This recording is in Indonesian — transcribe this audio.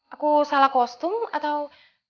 aku salah kostum atau